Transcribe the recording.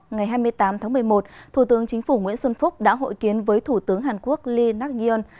ngày hai mươi tám tháng một mươi một thủ tướng chính phủ nguyễn xuân phúc đã hội kiến với thủ tướng hàn quốc lee nak yoon